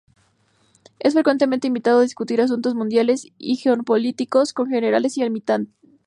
Es frecuentemente invitado a discutir asuntos mundiales y geopolíticos con generales y almirantes.